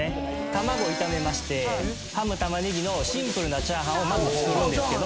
卵炒めましてハム玉ねぎのシンプルな炒飯をまず作るんですけど。